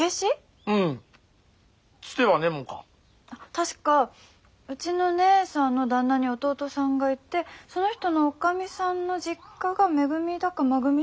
確かうちの姉さんの旦那に弟さんがいてその人のおかみさんの実家がめ組だかま組だか。